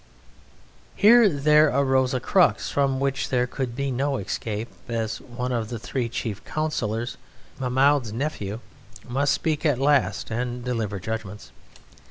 Here there arose a crux from which there could be no escape, as one of the three chief councillors, Mahmoud's Nephew, must speak at last and deliver judgments!